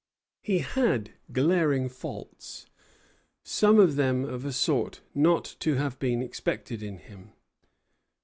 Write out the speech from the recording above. He had glaring faults, some of them of a sort not to have been expected in him.